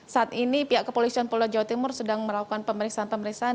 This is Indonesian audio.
saat ini pihak kepolisian pulau jawa timur sedang melakukan pemeriksaan pemeriksaan